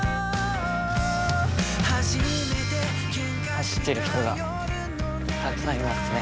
走ってる人がたくさんいますね。